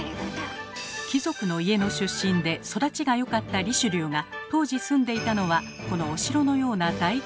貴族の家の出身で育ちが良かったリシュリューが当時住んでいたのはこのお城のような大豪邸。